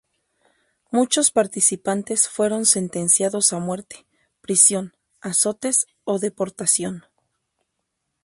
Muchos participantes fueron sentenciados a muerte, prisión, azotes o deportación.